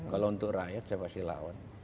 kalau untuk rakyat saya pasti lawan